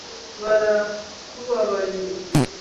barakubabariye